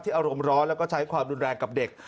อารมณ์ร้อนแล้วก็ใช้ความรุนแรงกับเด็ก